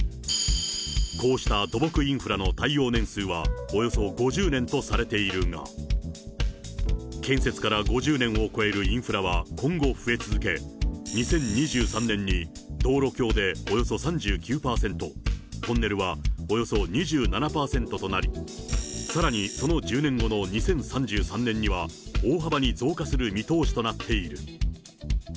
こうした土木インフラの耐用年数はおよそ５０年とされているが、建設から５０年を超えるインフラは今後増え続け、２０２３年に道路橋でおよそ３９％、トンネルはおよそ２７％となり、さらにその１０年後の２０３３年には、大幅に増加する見通しとなっている。